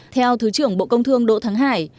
theo thứ trưởng bộ công thương đỗ thắng hải